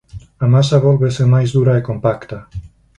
A masa vólvese máis dura e compacta.